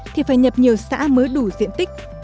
thì phải nhập nhiều xã mới đủ diện tích